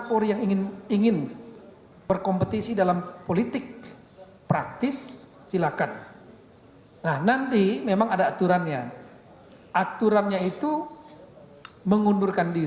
contestasi pimpinan daerah